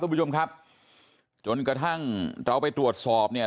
คุณผู้ชมครับจนกระทั่งเราไปตรวจสอบเนี่ย